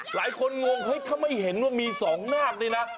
หลายคนงงเฮ้ยถ้าไม่เห็นว่ามีสองนาคดีนะ